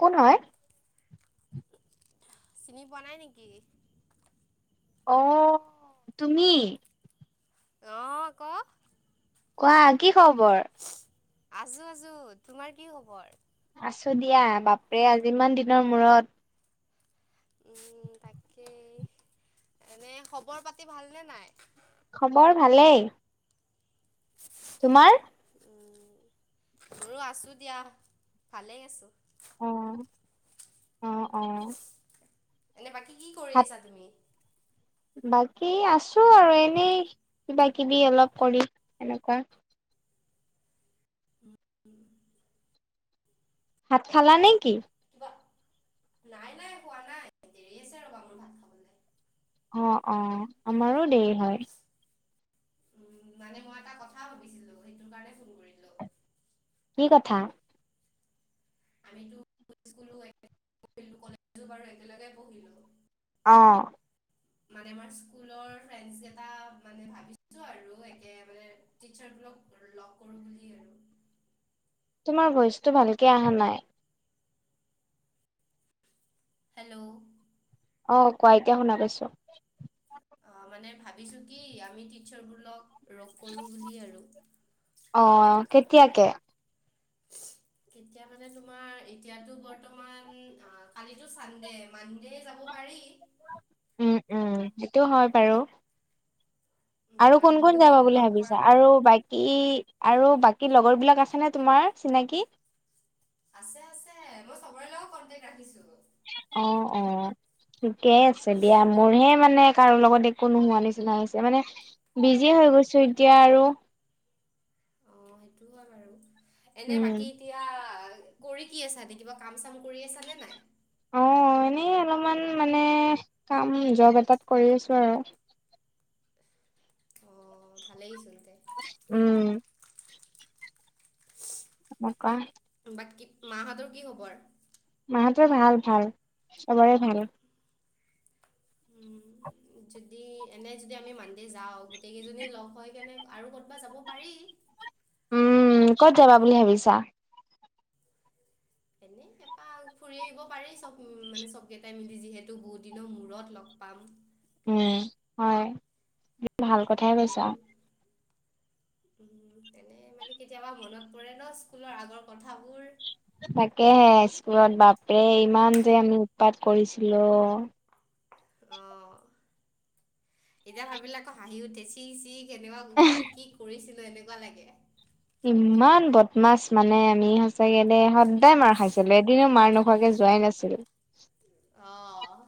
কোন হয়? চিনি পোৱা নাই নেকি? অ তুমি- আহ ক- কোৱা কি খবৰ- আছো আছো তোমাৰ কি খবৰ- আছো দিয়া বাপে আজি ইমান দিনৰ মূৰত- উম তাকেই এনে খবৰ পাতি ভালনে নাই। খবৰ ভালেই- তোমাৰ মোৰো আছোঁ দিয়া ভালেই আছোঁ। অ', অ অ এনে বাকী কি কৰি ভাত আছা তুমি- বাকী আছো আৰু এনেই কিবা কিবি অলপ কৰি এনেকুৱা। উম ভাত খালা নে কি? কিবা নাই নাই হোৱা নাই দেৰি আছে, ভাত খাবলৈ। অ অ আমাৰো দেৰি হয় উম মানে মই এটা কথা ভাবিছিলো সেইটো কাৰণে ফোন কৰিলো। কি কথা! একেলগে পঢ়িলো। অ মানে আমাৰ ইষ্টাৰৰ ফেৰেচ এটা ভাবিছো আৰু লগ কৰো লক কৰো [unintelligible] তোমাৰ বইচটো ভালকে অহা নাই- হেল্ল' আহ কোৱা এতিয়া শুনা পা ইছো অ মানে ভাবিছো কি আমি টিচাৰ বোৰ লগ- ৰক কৰোঁ বুলি আৰু- অ', কেতিয়াকে- [unintelligible] কেতিয়া মানে তোমাৰ এতিয়াতো বৰ্তমান অ কালিতো চানডে মানডে যাব পাৰি। উম উম সেইটো হয় বাৰু উম, আৰু মানে কোন বহুত কোন যাবা দিন বুলি লগ কৰা ভাবিছা নাই আৰু বাকী আৰু বাকী লগৰ বিলাক আছেনে তোমাৰ চিনাকি আছে আছে মই চবৰে লগত কন্টেক ৰাখিছো অ অ ঠিকেই আছে দিয়া মোৰহে মানে কাৰো লগত একো নোহোৱা নিচিনা হৈছে মানে বিজি অ' হৈ গৈছো এতিয়া আৰু অ সেইটো হয় বাৰু এনে উম বাকী এতিয়া কৰি কি আছা কিবা কাম চাম কৰি আছা নে নাই। অ এনেই অলপমান মানে কাম জব এটাত কৰি আছো আৰু- অ ভালেই চোন দে উম এনেকা বাকী মাহঁতৰ কি খবৰ? মাহত ভাল ভাল চবৰে ভাল- উম যদি এনে যদি আমি মানদে যাও গোটেই কেইজনী লগ হৈ কেনে আৰু ক'তবা যাব পাৰি। [unintelligible] উম ক'ত যাবা বুলি ভাবিছা। এনেই এ- পাক ফুৰি আহিব পাৰি চব মানে চবকেইটাই মিলি যিহেতু বহুত দিনৰ মূৰত লগ পাম উম হয় ভাল কথাই কৈছা উ তেনে মানে কেতিয়াবা মনত পৰে ন স্কুলৰ আগৰ কথাবোৰ তাকেহে স্কুলত বাপৰে ইমান যে আমি উৎপাত কৰিছিলো অ এতিয়া ভাবিলে পাই আকৌ হাঁহি উঠে চি চি কেনেকোৱা কি কি কৰিছিলো এনেকোৱা লাগে ইমান বদমাছ মানে আমি সচাকে দেই সদায় মাৰ খাইছিলো এদিনো মাৰ নোখোৱাকে যোৱাই নাছিল অহ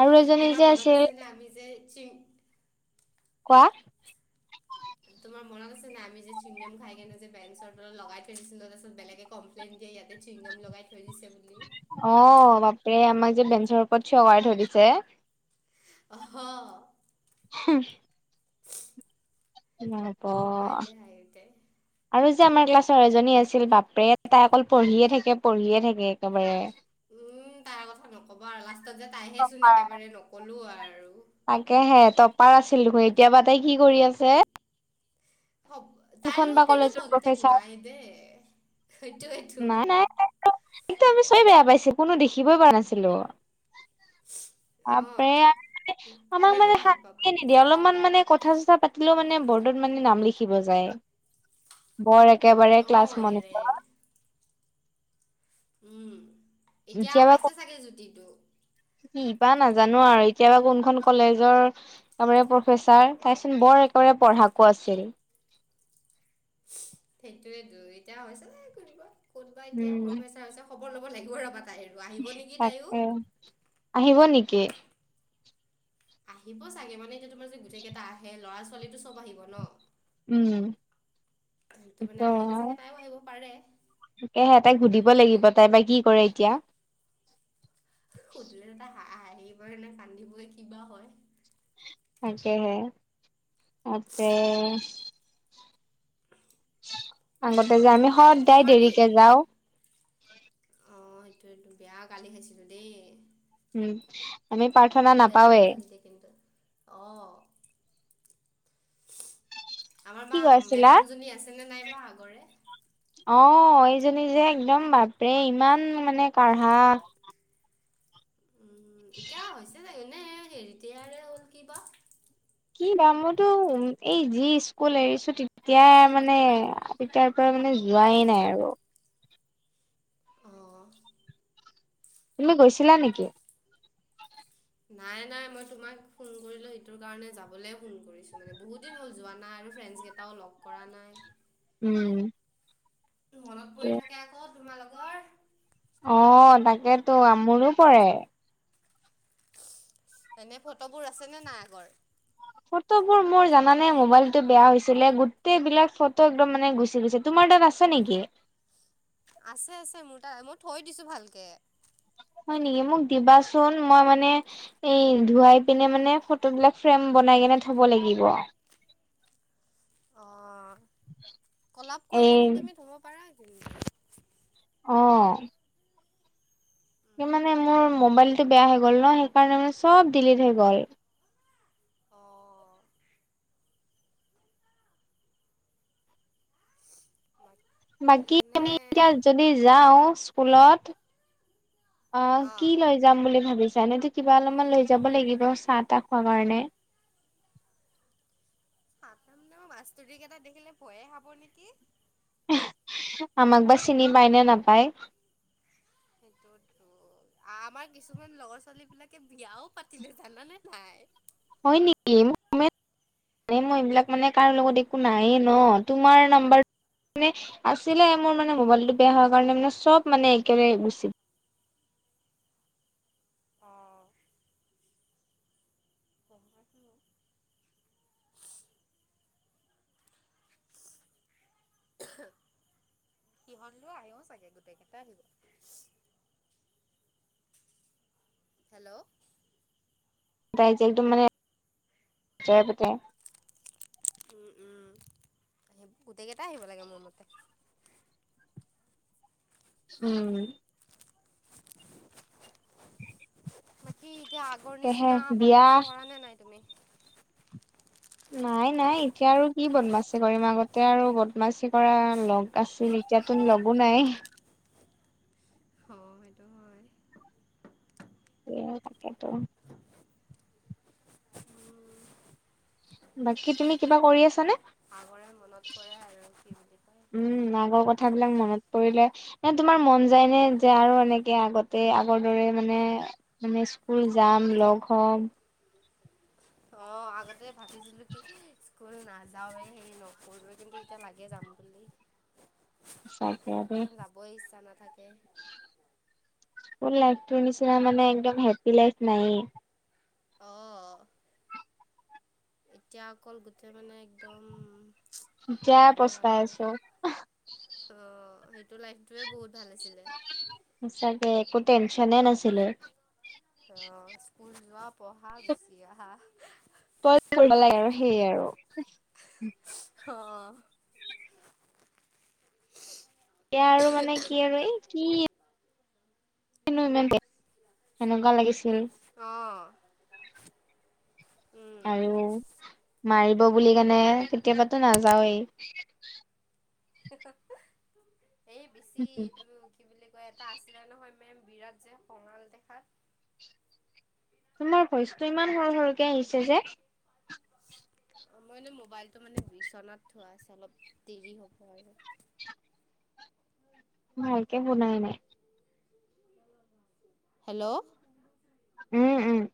আৰু এজনী যে তোমাৰ মনত আছিল আছে নে আমি যে চিং কোৱা তোমাৰ মনত আছে নাই আমি যে চুইংগম খাই কিনে যে বেঞ্চৰ তলত লগাই থৈ দিছিলো তাছত বেলেগে কমপ্লেন এ ইয়াতে চুইংগম লগাই থৈ দিছে বুলি অ বাপৰে আমাক যে বেঞ্চৰ ওপৰত থিয়কাই থৈ দিছে হ হুম উম তাইলে হাঁহি উঠে আৰু যে আমাৰ ক্লাছৰ এজনী আছিল বাপৰে তাই অকল পঢ়িয়ে থাকে পঢ়িয়ে থাকে একেবাৰে উম তাৰ কথা নকব আৰু লাষ্টত যে তাইহেচোন টপাৰ। একেবাৰে নকলো আৰু পাৰ আছিল দেখোন এতিয়াবা তাই কি কৰি আছে হ'ব তাইৰ কোনখন বা লগত কিন্তু কলেজৰ কন্টেক্ট প্ৰফেচাৰ নাই দেই সেইটোৱেইটো ম নাই নাই এতো আমি চবে বেয়া পাইছো কোনো দেখিবই পোৱা নাছিলো তাপ মানে অঁ আমাক কোনেনো মানে ভাল পাব শান্তিয়ে নিদিয়ে অলপমান মানে কথা চ থা পাতিলেও মানে বৰ্ডত মানে নাম লিখিব যায় বৰ এক একেবাৰে ক্লাছ অঁ মন এৰে প উম এতিয়া পাইছে চাগে জুতিটো কিবা নাজানো আৰু এতিয়াবা কোনখন কলেজৰ ত প্ৰফেচাৰ তাইচোন বৰ একদম পঢ়াকো আছিল [unintelligible] সেইটোয় দু এতিয়া হৈছে নে কবা ক'তবা এতিয়া উম প্ৰফেচাৰ হৈছে খবৰ ল'ব লাগিব আৰু ৰবা তাই আৰু আহিব নেকি তাইও তাকে আহিব নেকি? আহিব চাগে মানে এয়া তোমাৰ যে গোটেই কেইটা আহে ল'ৰা ছোৱালীো সব আহিব ন উম তো মানে আহিলে চাগে তাইও আহিব পাৰে তাকেহে তাই সুধিব লাগিব তাই বা কি কৰে এতিয়া। সুধিলে দা হ হিবই নে কান্দিবই কিবা হয়। তাকে হে আতে- আগতে যে আমি সদদাই তোমাৰ কি দেৰিকে যাওঁ টো বেয়া গালি খাইছিলো দেই উম আমি প্ৰাৰ্থনা বেল নাপাওৱে কালিলকেন্ত অ আমাৰ কি বা কৈ আছিলা মেডাম জনী আছেনে নাইবা আগৰে অ এইজনী যে একদম বাপৰে ইমান মানে কাঢ়া উম এতিয়া হৈছে চাগ নে হেৰিতেয়াৰে হ'ল ক বা কি দাম মইতো উ এই যি স্কুল এৰিছো তেতিয়া মানে তেতিয়াৰ পৰা মানে যোৱাই নাই আৰু অ তুমি গৈছিলা নেকি? নাই নাই মই তোমাক ফোন কৰিলো সেইটোৰ কাৰণে যাবলে ফোন কৰিছো মানে বহুত দিন হ'ল যোৱা নাই আৰু ফ্ৰেডছ কেইটাও লগ কৰা নাই উম। ত তোমাৰ লগৰ অ তাকেতো আমোৰো পৰে? এনে ফটোবোৰ আছে নে নাই আগৰ ফটোবোৰ মোৰ জানে মোবাইলতো বেয়া হৈছিলে গোটেই বিলাক ফটো একদম মানে গুচি গুছে তোমাৰ দ আছ নেকি? আছে আছে মোৰ তাত মই থৈ দিছোঁ ভালকে হয় নেকি মোক দিবাচোন মই মানে এই ধুৱাই পিনে মানে ফটো বিলাক ফ্ৰেম বনাই কেনে থব লাগিব? অ কলপ কৰি এই কিনে তুমি থব পাৰা কি? অ স মানে মোৰ মোবাইলটো বেয়া হৈ গ'ল ন সেইকাৰণে মানে চব ডিলিট হৈ গ'ল। অঁ বাকী আমি এতিয়া যদি যাওঁ স্কুলত- অ অঁ কি লৈ যাম বুলি ভাবিছো। জানেতো কিবা অলপমান লৈ যাব লাগিব চাহ তাহ খোৱা কাৰণে- সাতাম ন বাস্তুদিক এটা দেখিলে পঢ়ে খাব নেকি? আমাক বা চিনি পায় ন নাপায়। সেইটোতো আমাৰ কিছুমান লৰা ছোৱালী বিলাকে বিয়াও পাতিলে জানানে নাই হয় নেকি? মানে মই এইবিলাক মানে কাৰো লগত একো নাইেই ন তোমাৰ নাম্বাৰ- মানে আছিলে মোৰ মানে মোবাইলটো বেয়া হোৱাৰ কাৰণে মানে সব মানে একোৰে গুচি। অ', ক সিহঁতলৈও আহিও চাগে গোটেই কেইটা আহিব হেল্ল' তাই যে একদম মানে জয়া পতে- উম উম আহ গোটেইকেইটাই আহিব লাগে মোৰ মতে উম বাক কি এতিয়া আগৰ তাকেহে নিচিনা বিয়া বদমাচি কৰা নে নাই তুমি নাই নাই এতিয়া আৰু কি বদমাচি কৰিম আগতে আৰু বদমাচি কৰা লগ আছিল নেকি এতিয়াটো লগো নাই। অ সেইটো হয়- স তাকেইটো - বাকি তুমি কিবা কৰি আছানে? আগৰে মনত পৰে আৰু কি বুলি কয় উম আগৰ কথাবিলাক মনত পৰিলে - তোমাৰ মন যায় নে যে, আৰু এনেকে আগতে আগৰ দৰে মানে মানে স্কুল যাম? লগ হম - অ আগতে ভাবিছিলো কি- স্কুল নাযাওঁৱে হেৰি নকৰিবলৈ কিন্তু এতিয়া লাগে যাম বুলি। সচাকে দেই কে লাইফটোৰ নিচিনা মানে একদম হেপ্পী লাইফ নাই এ। অ এতিয়া অকল গোটেই মানে একদম- যা নক'বা আৰু। পষ্টাইছো! অ সেইটো লাইফটোৱে বহুত ভাল আছিলে। টেনশ্যনে নাছিলে। উ যোৱা পঢ়া গুচি আহা। প কৰিব লাগে আৰু সেই আৰু। অ', এয়া আৰু মানে কি আৰু এই কি? কিনো ইমান সেনেকুৱা লাগিছিল? আহ! আৰু মাৰিব বুলি কেনে কেতিয়াবাতো নাযাওৱেই। [unintelligible] এই বেছি এইটো কি বুলিলে? ক এটা আছিলে নহয় মে'ম বিৰাট যে কঙাল দেখাত। তোমাৰ ভইচ্ 'টো ইমান সৰু সৰুকে আহিছে যে? [unintelligible] অ মই এনে মোবাইলটো মানে বিচনাত থোৱা আছে অলপ দেৰি হ'ব আৰু। ভাল'কে শুনাই নাই। হেল্ল' - উম, উম-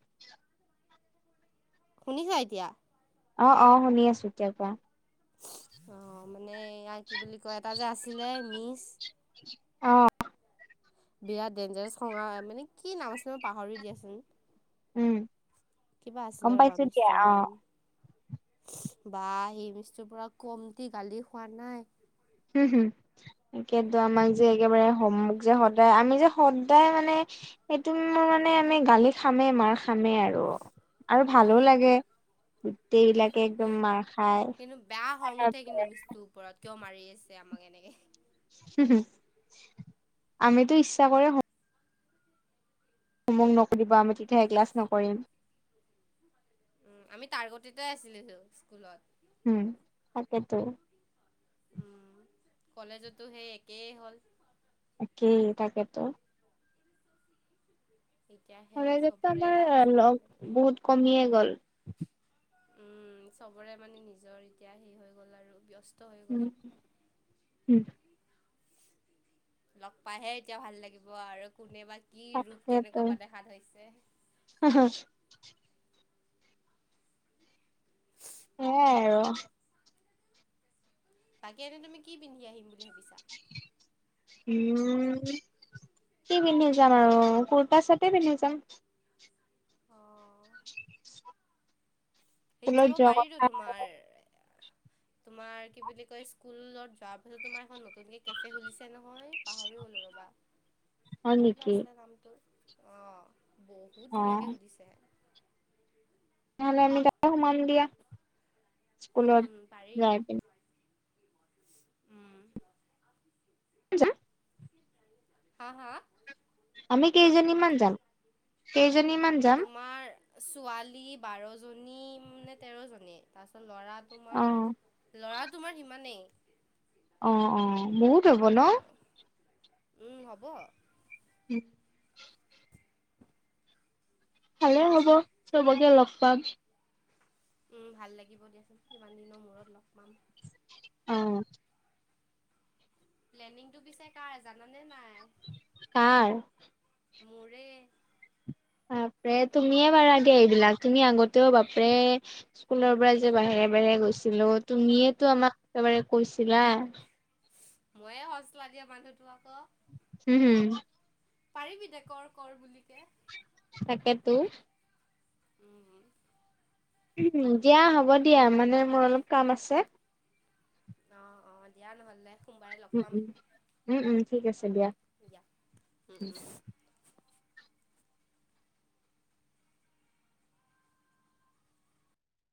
শুনিছা এতিয়া? অ, অ শুনি আছো এতিয়াৰ পৰা- অ মানে ইয়াৰ কি বুলি কয় এটা যে আছিলে মি'ছ- অঁ। বিৰাট দেঞ্জাৰ্চ খঙা মানে কি নাম আছে মই পাহৰি দিয়াচোন। উম কিবা গম আছিলে ৰবা পাইছো দিয়া মি'ছৰ অ নাম! বাঃ সি মি'ছটো পৰা কমন্তি গালি খোৱা নাই। হুম হুম তাকেতো আমাক যে একেবাৰে যে সদায় আমি যে সদায় মানে। সেই'টো মোৰ মানে আমি গালি খামে মাৰ খামে আৰু- আৰু ভালো উম লাগে! গোটেই বিলাকে একদম মাৰ খায়। কিন্তু বেয়া খং উঠে কিন্তু মিচটোৰ ওপৰত কিয় মাৰি আছে আমাক এনেকে? হু হু আমি'টো ইচ্ছা কৰে- তমোক নকৰিবা আমি তেতিয়াহে ক্লাছ নকৰিম। উ আমি তাৰ্গতি'তে আছিলো টো স্কুলত। উম তাকেইটো - উম কলেজতো সেই একেই হ'ল - একেই তাকেটো। এতিয়া সেই কলেজততো চবৰে আমাৰ অ'- ৰাস্তা লগ বেলেগ বেলেগ। বহুত কমিয়ে গ'ল। উম, চবৰে মানে নিজৰ এতিয়া সেই হৈ গ'ল আৰু, ব্যস্ উম, উম। লগ পাইহে এতিয়া ভাল লাগিব আৰু। কোনে বা কি ৰূপ তাকেতো কেনেকুৱা বা দেখাত হৈছে। [inaudible] এয়াই আৰু। বাকী এনে তুমি কি পিন্ধি আহিম বুলি ভাবিছা? উম, কি পিন্ধি যাম আৰু, কুুৰ্তা-চুৰ্তাই পিন্ধি যাম। অ [inaudible] সেইত স্কুলত যাব যোৱা পাৰিটো কথা তোমাৰ তোমাৰ কি বুলি কয় স্কুলত যোৱা ফালে তোমাৰ এখন নতুনকে কেফে খুলিছে নহয়, পাহৰি লো ৰবা হয় কি বা নেকি আছিলে নামটো বহুত অ ধুনীয়াকে সুধিছে নহলে আমি তাতে সুমাম দিয়া স্কুলত উম পাৰি যাই পিনে। উম জা হা হা আমি কেইজনী মান যাম? কেই তোমাৰ ছোৱালী বাৰ জনী নে তেৰ জনী তাছ ল'ৰা অ তোমাৰ ল'ৰা তোমাৰ সিমানেই। অ অ বহুত হব ন? উম হ'ব। উম। ভালে হ'ব, চবকে লগ পাম। উম, ভাল লাগিব দিয়াচোন, ইমান দিনৰ মূৰত লগ পাম। অ'। প্লেনিংটো পিছে কাৰ জান নে নাই? কাৰ? মোৰে বাপৰে, তুমিয়ে পাৰা দিয়া এইবিলাক। তুমি আগতেও বাপৰে স্কুলৰ পৰা যে বাহি একেবাৰে গৈছিলোঁ। তুমিয়েটো আমাক একেবাৰে কৈছিলা ময়ে হছলা দিয়া মানুহটো আকৌ। হুম - হুম। পাৰিবি দে, কৰ-কৰ বুলি কে। তাকেটো। উম। দিয়া, হ'ব দিয়া। মানে মোৰ অলপ কাম আছে। অ' - অ', দিয়া নহলে। সোমবাৰে লগ উম - পাম উম, উম - উম, ঠিক আছে দিয়া। দিয়া। উম, উম।